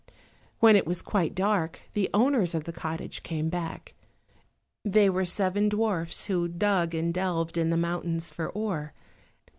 When it was quite dark the owners of the cottage came back; they were seven dwarfs who dug and delved in the mountains for ore.